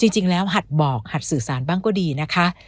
จริงแล้วหัดบอกหัดสื่อสารบ้างก็ดีนะคะ